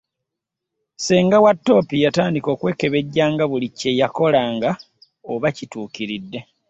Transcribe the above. Ssenga wa Toopi yatandika okwekebejjanga buli kye yakolanga oba kituukiridde.